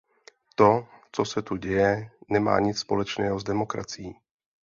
To, co se tu děje, nemá nic společného s demokracií.